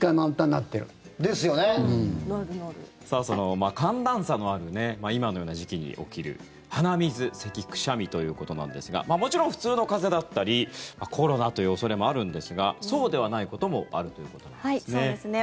さあ、その寒暖差のある今のような時期に起きる鼻水、せき、くしゃみということなんですがもちろん普通の風邪だったりコロナという恐れもあるんですがそうではないこともあるということなんですね。